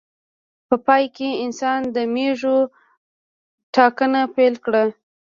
په پای کې انسان د مېږو ټاکنه پیل کړه.